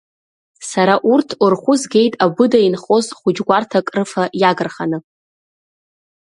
Сара урҭ рхәы згеит абыда инхоз хәыҷ гәарҭак рыфа иагырханы.